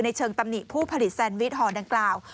เชิงตำหนิผู้ผลิตแซนวิชห่อดังกล่าว